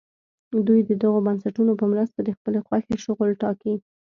دوی د دغو بنسټونو په مرسته د خپلې خوښې شغل ټاکي.